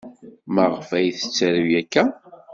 Maɣef ay tettaru akka?